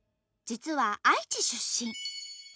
実は愛知出身。